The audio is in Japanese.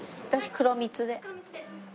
黒蜜で。